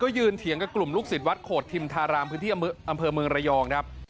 ยืนเถียงกับกลุ่มลูกศิษย์วัดโขดทิมธารามพื้นที่อำเภอเมืองระยองครับ